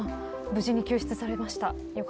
無事に救出されました。